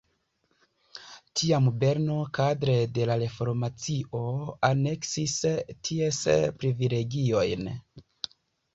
Tiam Berno kadre de la reformacio aneksis ties privilegiojn.